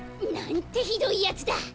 なんてひどいやつだ。